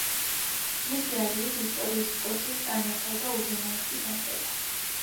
მისი აზრით, ისტორიის პროცესს წარმართავდა უზენაესი განგება.